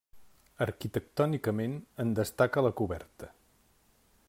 Arquitectònicament, en destaca la coberta.